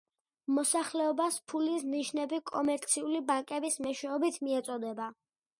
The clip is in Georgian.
მოსახლეობას ფულის ნიშნები კომერციული ბანკების მეშვეობით მიეწოდება.